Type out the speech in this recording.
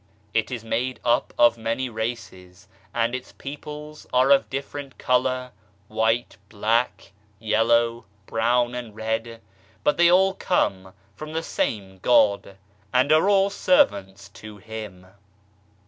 It is made up of many races, and its peoples are of different colour, white, black, yellow, brown and red but they all come from the same God, and all are servants to Him.